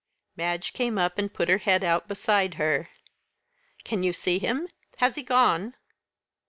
Madge came up and put her head out beside her. "Can you see him? Has he gone?"